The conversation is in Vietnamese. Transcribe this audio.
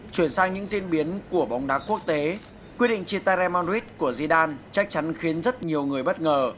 chuyển sang những diễn biến của bóng đá quốc tế quyết định chia tay raymond ruiz của zidane chắc chắn khiến rất nhiều người bất ngờ